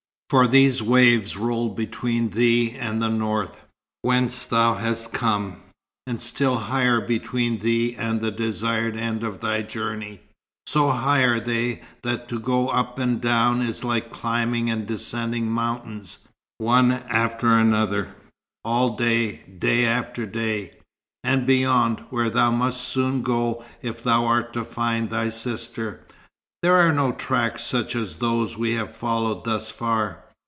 "For these waves roll between thee and the north, whence thou hast come, and still higher between thee and the desired end of thy journey. So high are they, that to go up and down is like climbing and descending mountains, one after another, all day, day after day. And beyond, where thou must soon go if thou art to find thy sister, there are no tracks such as those we have followed thus far.